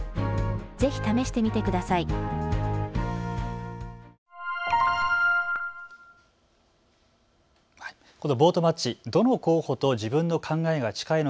ぜひ試してみてください。